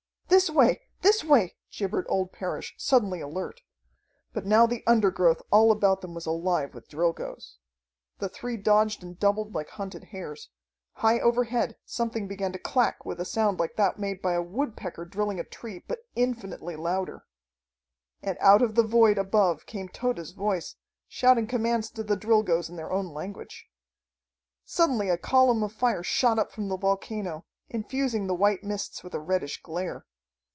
"This way! This way!" gibbered old Parrish, suddenly alert. But now the undergrowth all about them was alive with Drilgoes. The three dodged and doubled like hunted hares. High overhead something began to clack with a sound like that made by a woodpecker drilling a tree, but infinitely louder. And out of the void above came Tode's voice, shouting commands to the Drilgoes in their own language. Suddenly a column of fire shot up from the volcano, infusing the white mists with a reddish glare.